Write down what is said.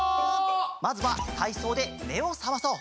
まずはたいそうでめをさまそう！